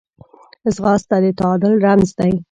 ځغاسته د تعادل رمز دی